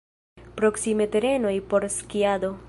Proksime terenoj por skiado.